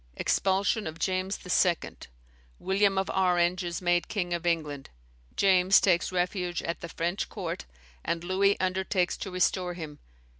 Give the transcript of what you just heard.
Expulsion of James II. William of Orange is made King of England. James takes refuge at the French court, and Louis undertakes to restore him.